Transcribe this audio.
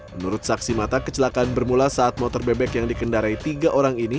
menurut saksi mata kecelakaan bermula saat motor bebek yang dikendarai tiga orang ini